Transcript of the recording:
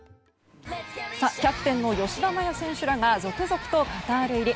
キャプテンの吉田麻也選手らが続々とカタール入り。